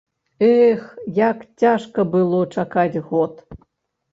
Эх, як цяжка было чакаць год.